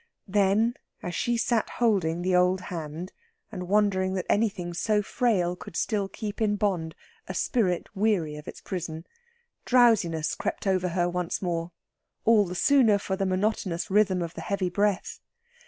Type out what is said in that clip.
Then, as she sat holding the old hand, and wondering that anything so frail could still keep in bond a spirit weary of its prison, drowsiness crept over her once more, all the sooner for the monotonous rhythm of the heavy breath.